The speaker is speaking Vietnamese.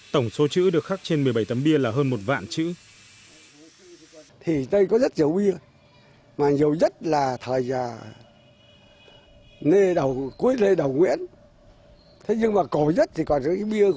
tổng số chữ được khắc trên một mươi bảy tấm bia là hơn một vạn chữ